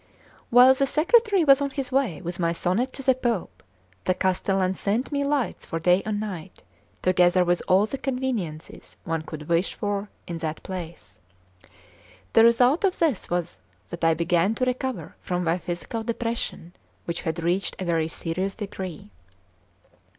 While the secretary was on his way with my sonnet to the Pope, the castellan sent me lights for day and night, together with all the conveniences one could wish for in that place. The result of this was that I began to recover from my physical depression, which had reached a very serious degree.